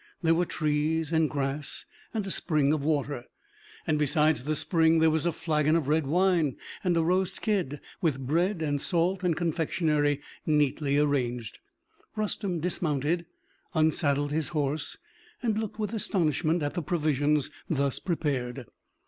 There were trees and grass, and a spring of water. And beside the spring there was a flagon of red wine, and a roast kid, with bread and salt and confectionery neatly arranged. Rustem dismounted, unsaddled his horse, and looked with astonishment at the provisions thus prepared.